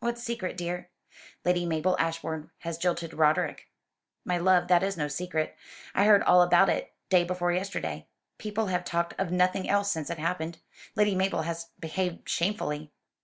"What secret, dear?" "Lady Mabel Ashbourne has jilted Roderick!" "My love, that is no secret. I heard all about it day before yesterday. People have talked of nothing else since it happened. Lady Mabel has behaved shamefully."